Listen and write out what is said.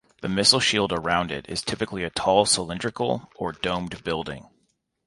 The missile shield around it is typically a tall cylindrical or domed building.